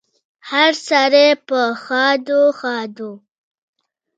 هره سړی په ښادو، ښادو